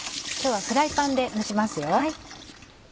今日はフライパンで蒸しますよ。